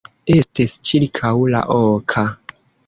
Estis ĉirkaŭ la oka.